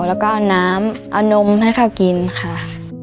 แล้วก็เอาน้ำเอานมให้เขากินค่ะ